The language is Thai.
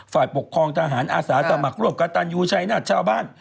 ฝ่ายปกครองทหารอาสาสตร์ต่อหมักรวมกระตันยูชัยนาถชาวบ้าน